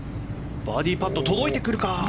バーディーパット届いてくるか。